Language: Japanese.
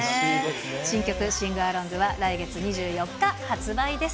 新曲、シングアロングは、来月２４日発売です。